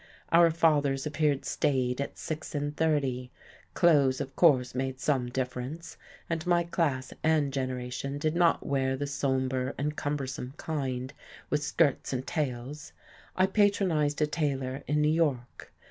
Our fathers appeared staid at six and thirty. Clothes, of course, made some difference, and my class and generation did not wear the sombre and cumbersome kind, with skirts and tails; I patronized a tailor in New York.